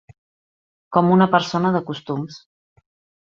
Com una persona de costums.